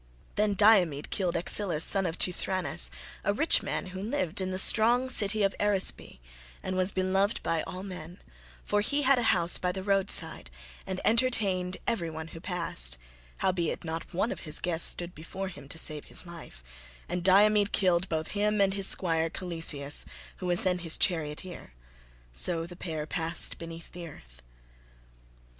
Then Diomed killed Axylus son of Teuthranus, a rich man who lived in the strong city of Arisbe, and was beloved by all men; for he had a house by the roadside, and entertained every one who passed; howbeit not one of his guests stood before him to save his life, and Diomed killed both him and his squire Calesius, who was then his charioteer—so the pair passed beneath the earth.